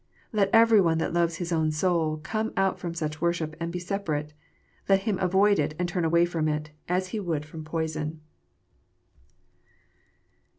Let every one that loves his soul come out from such worship and be separate. Let him avoid it and turn away from it, as he would from poison.